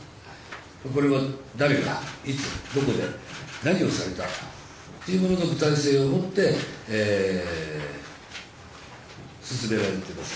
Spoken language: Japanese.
これは誰がいつどこで、何をされたというものの具体性を持って、進められてます。